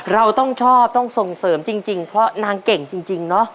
เราต้องชอบต้องส่งเสริมจริงเพราะนางเก่งจริงเนาะ